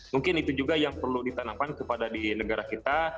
mungkin itu juga yang perlu ditanamkan kepada di negara kita